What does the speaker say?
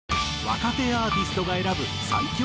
若手アーティストが選ぶ最強